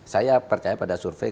saya percaya pada survei